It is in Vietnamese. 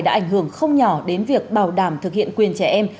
đã ảnh hưởng không nhỏ đến việc bảo đảm thực hiện quyền trẻ em